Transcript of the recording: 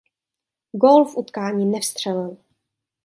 Gól v utkání nevstřelil.